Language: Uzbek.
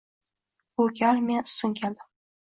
Bu gal men ustun keldim